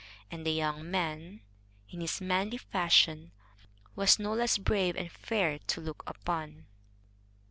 And the young man, in his manly fashion, was no less brave and fair to look upon.